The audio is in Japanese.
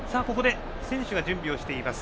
選手が準備をしています。